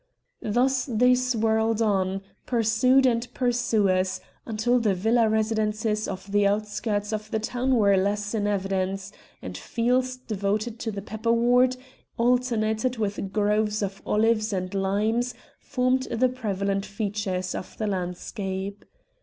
Thus they swirled on, pursued and pursuers, until the villa residences on the outskirts of the town were less in evidence, and fields devoted to the pepper wort, alternated with groves of olives and limes, formed the prevalent features of the landscape.